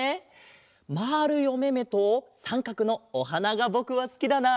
まるいおめめとさんかくのおはながぼくはすきだな。